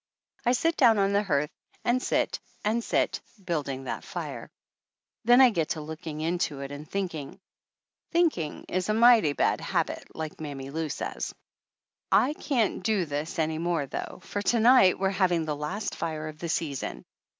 I sit down on the hearth and sit and sit, building that fire. Then I get to looking into it and thinking. Thinking is a mighty bad habit, like Mammy Lou says. I can't do this any more though for to night we're having the last fire of the season.